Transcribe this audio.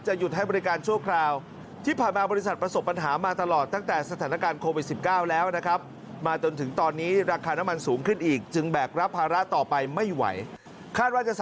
จะหยุดให้บริการช่วงคราว